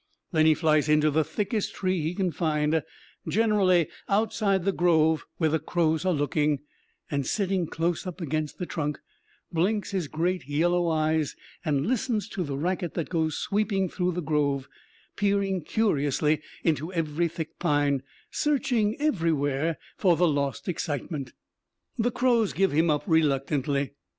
Then he flies into the thickest tree he can find, generally outside the grove where the crows are looking, and sitting close up against the trunk blinks his great yellow eyes and listens to the racket that goes sweeping through the grove, peering curiously into every thick pine, searching everywhere for the lost excitement. The crows give him up reluctantly.